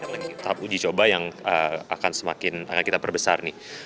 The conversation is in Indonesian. tahap uji coba yang akan kita perbesar nih